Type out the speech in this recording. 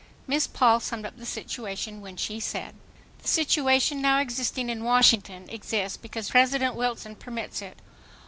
Miss Paul summed up the situation when she said: "The situation now existing in Washington exists because President Wilson permits it.